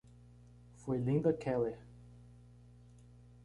Foi Linda Keller!